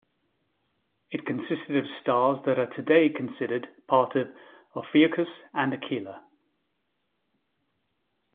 It consisted of stars that are today considered part of Ophiuchus and Aquila.